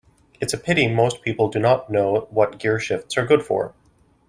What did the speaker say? It's a pity most people do not know what gearshifts are good for.